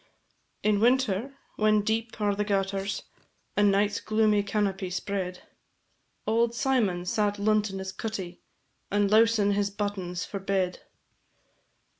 In winter, when deep are the gutters, And night's gloomy canopy spread, Auld Symon sat luntin' his cuttie, And lowsin' his buttons for bed.